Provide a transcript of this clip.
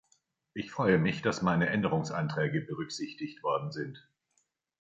Ich freue mich, dass meine Änderungsanträge berücksichtigt worden sind.